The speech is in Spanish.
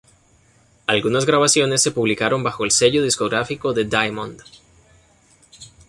Algunas grabaciones se publicaron bajo el sello discográfico de Diamond.